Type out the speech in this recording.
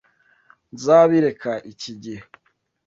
Nzabireka iki gihe.